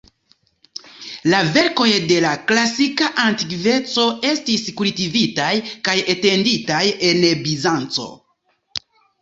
La verkoj de la klasika antikveco estis kultivitaj kaj etenditaj en Bizanco.